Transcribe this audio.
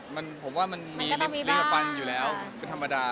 มันก็ต้องมีบ้าน